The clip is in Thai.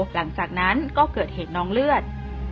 หลังจากนั้นก็เกิดเหตุน้องเลือด